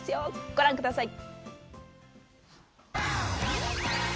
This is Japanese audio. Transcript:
ご覧ください